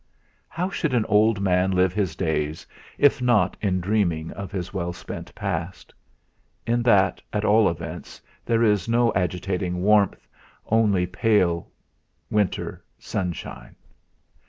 How should an old man live his days if not in dreaming of his well spent past? In that, at all events, there is no agitating warmth, only pale winter sunshine.